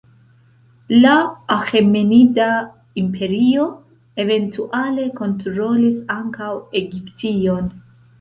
La Aĥemenida Imperio eventuale kontrolis ankaŭ Egiption.